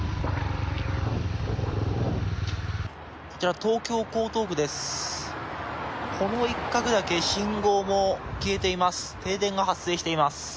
こちら、東京、江東区です。